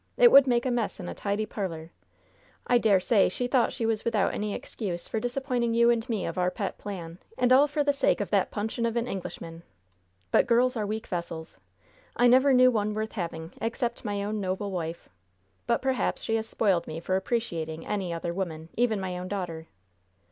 It would make a mess in a tidy parlor! I dare say she thought she was without any excuse for disappointing you and me of our pet plan, and all for the sake of that puncheon of an Englishman! But girls are weak vessels. I never knew one worth having, except my own noble wife! But perhaps she has spoiled me for appreciating any other woman, even my own daughter."